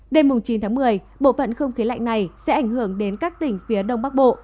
đêm chín tháng một mươi bộ phận không khí lạnh này sẽ ảnh hưởng đến các tỉnh phía đông bắc bộ